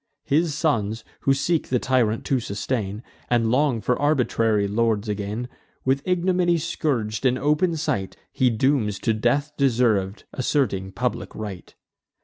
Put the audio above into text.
His sons, who seek the tyrant to sustain, And long for arbitrary lords again, With ignominy scourg'd, in open sight, He dooms to death deserv'd, asserting public right.